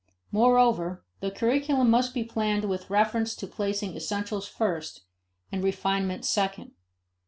Moreover, the curriculum must be planned with reference to placing essentials first, and refinements second.